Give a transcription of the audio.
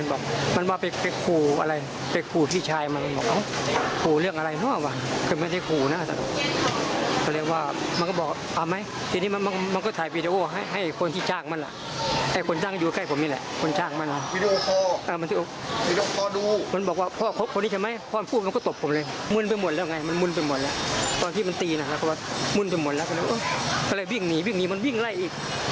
ตอนที่มันตีมุ่นไปหมดแล้วก็เลยวิ่งหนีวิ่งหนีมันวิ่งไล่อีก